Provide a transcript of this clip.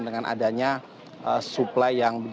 dengan adanya supply yang